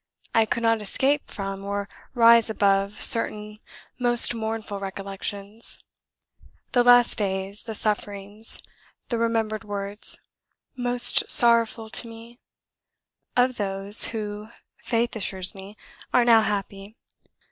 I could not escape from or rise above certain most mournful recollections, the last days, the sufferings, the remembered words most sorrowful to me, of those who, Faith assures me, are now happy.